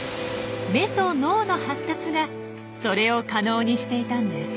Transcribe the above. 目と脳の発達がそれを可能にしていたんです。